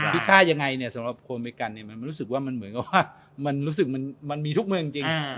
พิษายังไงสำหรับโคมเมริกันมันรู้สึกเหมือนกับว่ามันมีทุกเมืองจริง